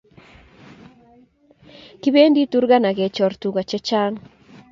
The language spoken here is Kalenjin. Kipendi Turkana kechor Tuka che chang